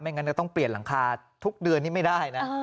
ไม่อย่างนั้นก็ต้องเปลี่ยนหลังคาทุกเดือนนี่ไม่ได้นะ